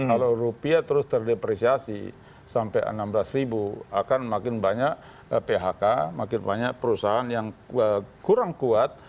kalau rupiah terus terdepresiasi sampai enam belas ribu akan makin banyak phk makin banyak perusahaan yang kurang kuat